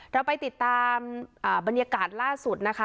เราไปติดตามบรรยากาศล่าสุดนะคะ